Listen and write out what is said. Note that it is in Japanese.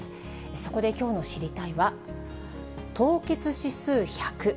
そこできょうの知りたいッ！は凍結指数１００。